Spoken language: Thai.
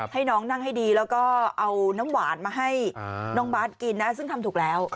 ให้น้องนั่งให้ดีแล้วก็เอาน้ำหวานมาให้น้องบาทกินนะซึ่งทำถูกแล้ว